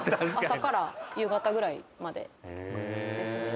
朝から夕方ぐらいまでですね。